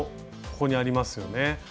ここにありますよね。